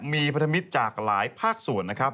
มีพันธมิตรจากหลายภาคส่วนนะครับ